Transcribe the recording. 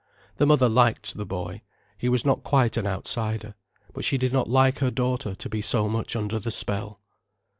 The mother liked the boy: he was not quite an outsider. But she did not like her daughter to be so much under the spell.